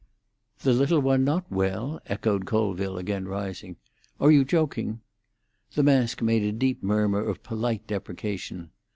"The little one not well?" echoed Colville again, rising. "Are you joking?" The mask made a deep murmur of polite deprecation.